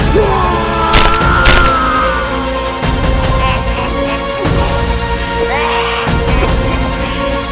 kau amuk maluku